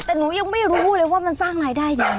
แต่หนูยังไม่รู้เลยว่ามันสร้างรายได้ยังไง